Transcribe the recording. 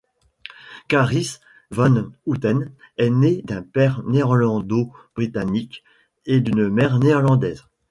Carice van Houten est née d'un père néerlando-britannique et d'une mère néerlandaise.